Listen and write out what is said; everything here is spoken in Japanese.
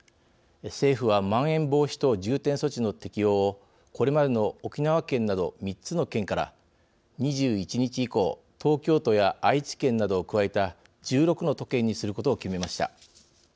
政府はまん延防止等重点措置の適用をこれまでの沖縄県など３つの県から、２１日以降東京都や愛知県などを加えた１６の都県にすることを決めました。